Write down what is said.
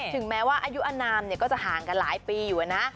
ถึงแม้ว่าอายุอนามก็จะห่างกันหลายปีอยู่นะ